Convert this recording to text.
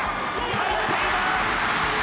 決まっています。